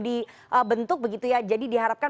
dibentuk begitu ya jadi diharapkan